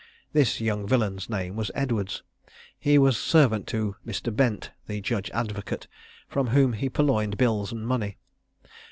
This young villain's name was Edwards. He was servant to Mr. Bent the judge advocate, from whom he purloined bills and money.